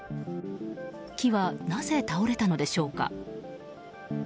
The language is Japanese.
木は、なぜ倒れたのでしょうか。